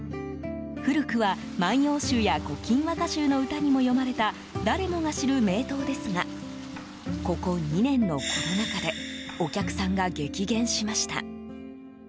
古くは万葉集や古今和歌集の歌にも詠まれた誰もが知る名湯ですがここ２年のコロナ禍でお客さんが激減しました。